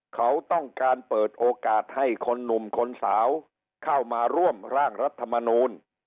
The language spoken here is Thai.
เขาต้องการเปิดโอกาสให้คนหนุ่มคนสาวเข้ามาร่วมร่างรัฐมนูล